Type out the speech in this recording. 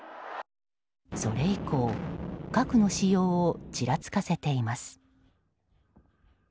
それ以降、核の使用をちらつかせています。